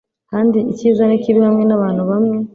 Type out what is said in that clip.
Kandi icyiza nikibi hamwe nabantu bamwe